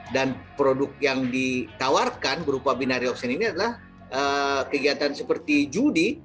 dan produk yang ditawarkan berupa binary option ini adalah kegiatan seperti judi